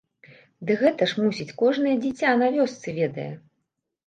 Ды гэта ж, мусіць, кожнае дзіця на вёсцы ведае.